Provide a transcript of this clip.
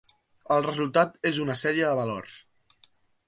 El resultat és una sèrie de valors.